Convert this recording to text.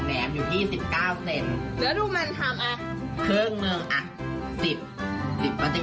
ด้วยความที่ซื้อแหนมมาแล้วหุ้นกันคนละครึ่ง